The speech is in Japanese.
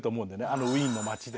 あのウィーンの街で。